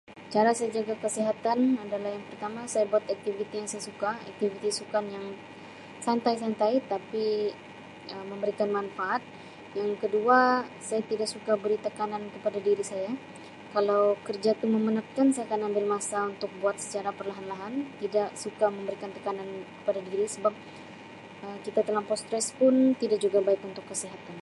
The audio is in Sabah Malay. Cara saya jaga kesihatan adalah yang pertama saya buat aktiviti yang saya suka aktiviti sukan yang santai-santai tapi Um memberikan manfaat. Yang kedua, saya tidak suka beri tekanan kepada diri saya kalau kerja tu menekan saya akan ambil masa untuk buat secara perlahan-lahan tidak suka memberikan tekanan kepada diri sebab Um kita terlampau stress pun tidak juga baik untuk kesihatan.